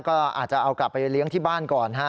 ก็อาจจะเอากลับไปเลี้ยงที่บ้านก่อนฮะ